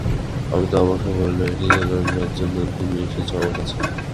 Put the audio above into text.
অমিতা অবাক হয়ে বলল, এইটি জানবার জন্যে তুমি এসেছ আমার কাছে?